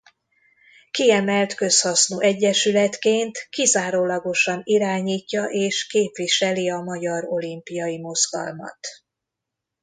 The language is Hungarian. Kiemelt közhasznú egyesületként kizárólagosan irányítja és képviseli a magyar olimpiai mozgalmat.